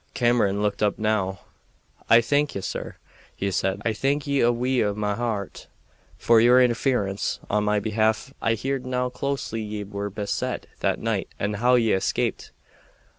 Cameron looked up now. "I thank ye, sir," he said. "I thank ye wi' a' my hairt for your interference on our behalf. I heerd how closely ye were beset that night and how ye escaped.